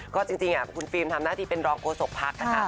ก็จริงคุณฟิล์มทำหน้าที่เป็นรองโกศกพรรคนะครับ